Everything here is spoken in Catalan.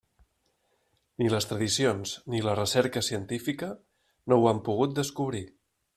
Ni les tradicions ni la recerca científica no ho han pogut descobrir.